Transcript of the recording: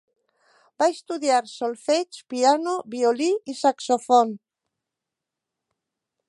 Va estudiar solfeig, piano, violí i saxòfon.